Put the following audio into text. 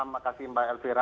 terima kasih mbak elvira